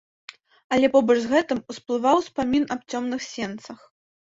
Але побач з гэтым ўсплываў успамін аб цёмных сенцах.